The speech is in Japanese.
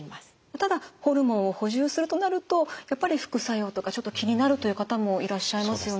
ただホルモンを補充するとなるとやっぱり副作用とかちょっと気になるという方もいらっしゃいますよね。